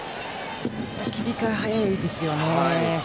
切り替え、早いですよね。